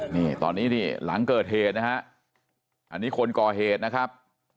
นี่ตอนนี้นี่หลังเกิดเหตุนะฮะอันนี้คนก่อเหตุนะครับ